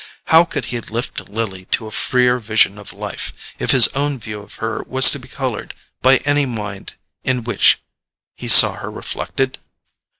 How could he lift Lily to a freer vision of life, if his own view of her was to be coloured by any mind in which he saw her reflected?